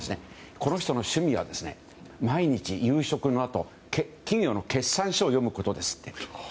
この人の趣味は毎日夕食のあと企業の決算書を読むことです。